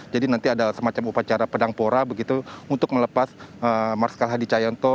jadi nanti ada semacam upacara pedang pora begitu untuk melepas marskal hadi cahyanto